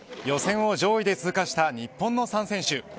予選を上位で通過した日本の３選手。